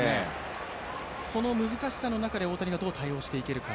その難しさの中で大谷がどう対応していくか？